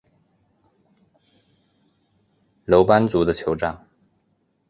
楼班族的酋长。